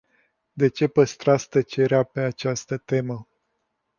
De ce păstrați tăcerea pe această temă?